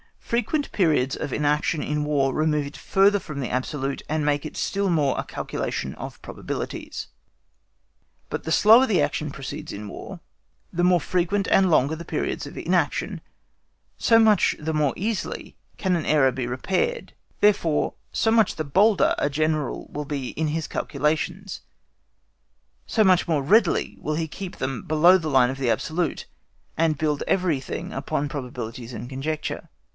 FREQUENT PERIODS OF INACTION IN WAR REMOVE IT FURTHER FROM THE ABSOLUTE, AND MAKE IT STILL MORE A CALCULATION OF PROBABILITIES. But the slower the action proceeds in War, the more frequent and longer the periods of inaction, so much the more easily can an error be repaired; therefore, so much the bolder a General will be in his calculations, so much the more readily will he keep them below the line of the absolute, and build everything upon probabilities and conjecture.